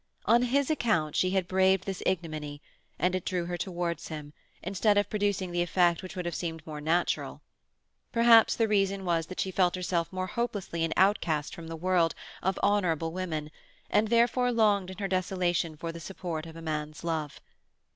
On his account she had braved this ignominy, and it drew her towards him, instead of producing the effect which would have seemed more natural. Perhaps the reason was that she felt herself more hopelessly an outcast from the world of honourable women, and therefore longed in her desolation for the support of a man's love.